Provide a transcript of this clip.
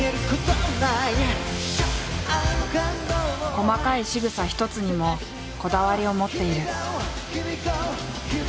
細かいしぐさ一つにもこだわりを持っている。